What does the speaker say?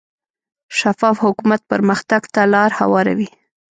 شفاف حکومت پرمختګ ته لار هواروي.